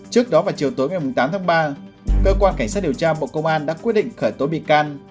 trước đó vào chiều tối một mươi tám tháng ba cơ quan cảnh sát điều tra bộ công an đã quyết định khởi tối bị can